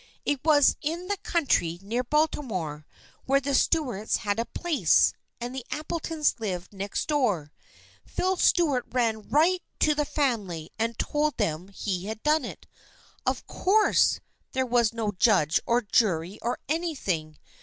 It was in the country near Baltimore, where the Stuarts had a place, and the Appletons lived next door. Phil Stuart ran right to the family and told THE FKIENDSHIP OF ANNE 243 them he had done it. Of course there was no judge or jury or anything.